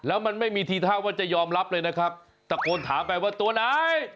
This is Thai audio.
แล้วมันไม่มีทีท่าว่าจะยอมรับเลยนะครับตะโกนถามไปว่าตัวไหน